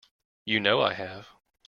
You know I have.